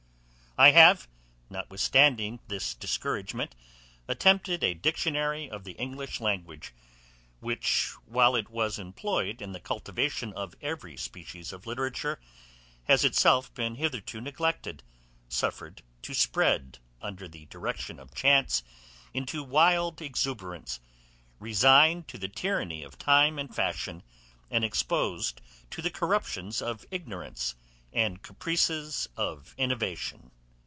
I have, notwithstanding this discouragement, attempted a dictionary of the English language, which, while it was employed in the cultivation of every species of literature, has itself been hitherto neglected; suffered to spread, under the direction of chance, into wild exuberance; resigned to the tyranny of time and fashion; and exposed to the corruptions of ignorance, and caprices of innovation.